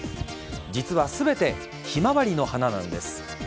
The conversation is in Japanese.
実は全てひまわりの花なんです。